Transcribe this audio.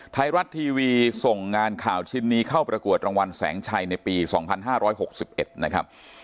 ไทยรัฐทีวีส่งงานข่าวชิ้นนี้เข้าประกวดรางวัลแสงชัยในปี๒๕๖๑นะครับ